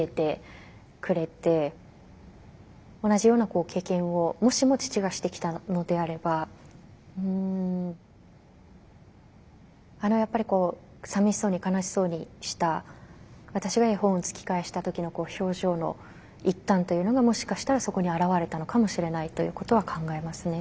同じような経験をもしも父がしてきたのであればあのやっぱりこうさみしそうに悲しそうにした私が絵本を突き返した時の表情の一端というのがもしかしたらそこに表れたのかもしれないということは考えますね。